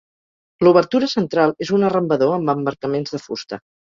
L'obertura central és un arrambador amb emmarcaments de fusta.